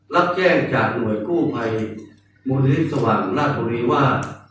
รับแจ้งจากหน่วยกู้ภัยมูลฤทธิ์สวรรค์รัฐธุรีว่า